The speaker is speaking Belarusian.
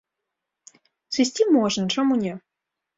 Сысці можна, чаму не.